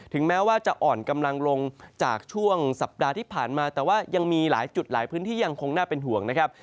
แม้ว่าจะอ่อนกำลังลงจากช่วงสัปดาห์ที่ผ่านมาแต่ว่ายังมีหลายจุดหลายพื้นที่ยังคงน่าเป็นห่วงนะครับ